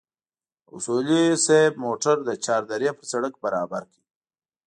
اصولي صیب موټر د چار درې پر سړک برابر کړ.